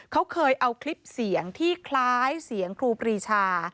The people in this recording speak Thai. เขาเคยเอาคลิปเสียงที่คล้ายเสียงครูปรีชา